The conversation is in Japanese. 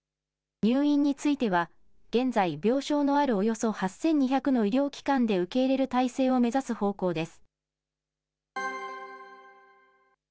入院については、現在、病床のあるおよそ８２００の医療機関で受け入れる体制を目指す方向です。